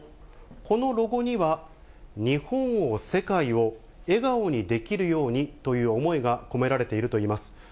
このロゴには日本を、世界を笑顔にできるようにという思いが込められているといいます。